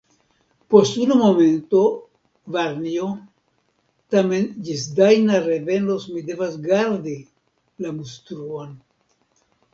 Post unu momento, varnjo; tamen ĝis Dajna revenos, mi devas gardi la mustruon.